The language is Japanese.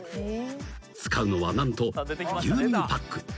［使うのは何と牛乳パック］